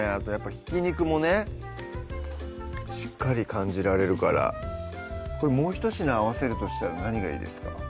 ひき肉もねしっかり感じられるからこれもう一品合わせるとしたら何がいいですか？